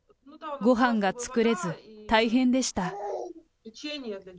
ごはんが作れず大変でした。